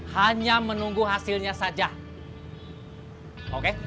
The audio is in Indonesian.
hanya menunggu hasilnya saja oke